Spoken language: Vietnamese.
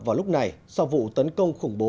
vào lúc này sau vụ tấn công khủng bố